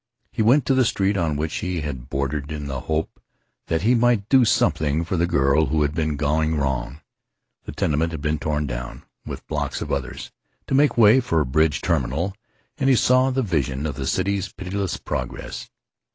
He went to the street on which he had boarded in the hope that he might do something for the girl who had been going wrong. The tenement had been torn down, with blocks of others, to make way for a bridge terminal, and he saw the vision of the city's pitiless progress.